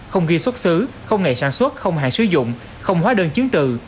không ghi xuất xứ không ngày sản xuất không hàng sử dụng không hóa đơn chứng từ